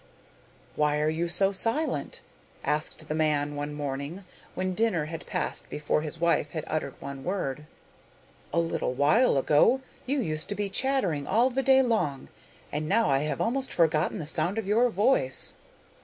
'Why are you so silent?' asked the man one morning when dinner had passed before his wife had uttered one word. 'A little while ago you used to be chattering all the day long, and now I have almost forgotten the sound of your voice.